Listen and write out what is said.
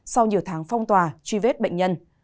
sau nhiều tháng phong tòa truy vết bệnh nhân